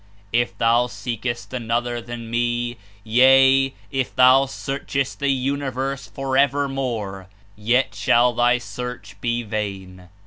If thou scekest another than Me; yea, if thou scarchcst the universe forevermore, yet shall thy search he vain.